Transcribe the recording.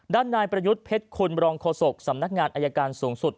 ด้านนายประยุทธ์เพชรคุณรองโฆษกสำนักงานอายการสูงสุด